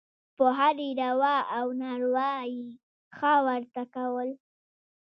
په هرې روا او ناروا یې «ښه» ورته کول.